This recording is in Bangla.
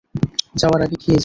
যাওয়ার আগে খেয়ে যা!